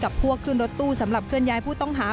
กับพวกเครื่องรถตู้สำหรับเคลื่อนย้ายผู้ต้องหา